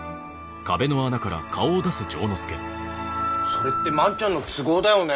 それって万ちゃんの都合だよね。